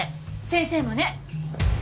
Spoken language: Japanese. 先生もね。